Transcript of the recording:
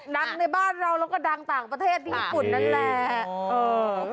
ในบ้านเราแล้วก็ดังต่างประเทศที่ญี่ปุ่นนั่นแหละ